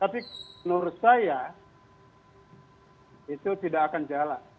tapi menurut saya itu tidak akan jalan